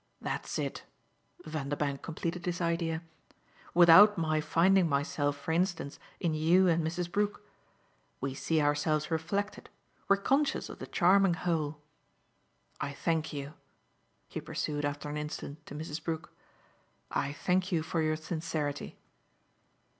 "That's it!" Vanderbank completed his idea: "without my finding myself for instance in you and Mrs. Brook? We see ourselves reflected we're conscious of the charming whole. I thank you," he pursued after an instant to Mrs. Brook "I thank you for your sincerity."